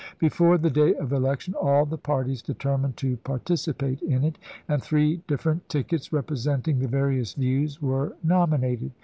Before the day of election all the parties determined to participate in it, and three different tickets, representing the various views, were nominated.